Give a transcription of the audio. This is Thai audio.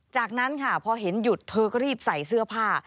จากนั้นค่ะพอเห็นหยุดเธอก็รีบใส่เสื้อผ้า